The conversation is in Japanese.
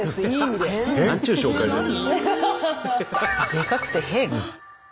でかくて変？